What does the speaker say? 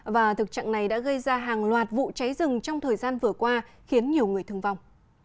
và thực trạng này đã gây ra hàng loạt vụ cháy rừng trong thời gian vừa qua khiến nhiều người thương vong